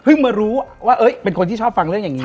มารู้ว่าเป็นคนที่ชอบฟังเรื่องอย่างนี้